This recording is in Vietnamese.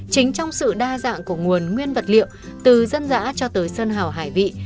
chính trong sự đa dạng của nguồn nguyên vật liệu từ dân dã cho tới sân hảo hải vị